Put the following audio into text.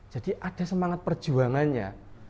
jadi ada semangat perjuangannya